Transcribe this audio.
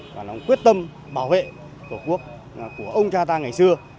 và lòng quyết tâm bảo vệ tổ quốc của ông cha ta ngày xưa